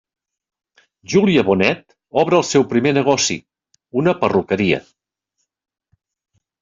Júlia Bonet obre el seu primer negoci, una perruqueria.